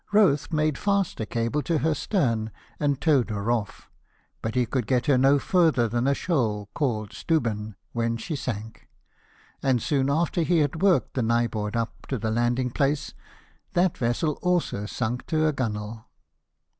Rothe made fast a cable to her stern, and towed her off; but he could get her no further than a shoal, called Stubben, when she sank ; and soon after he had worked the Nyehorg up to the landing place, that vessel also sunk to her gunwale.